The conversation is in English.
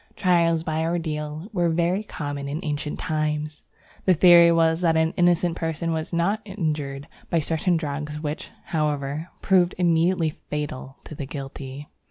Trials by ordeal were very common in ancient times. The theory was that an innocent person was not injured by certain drugs, which, however, proved immediately fatal to the guilty.